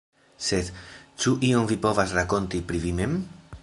Sed ĉu ion vi povas rakonti pri vi mem?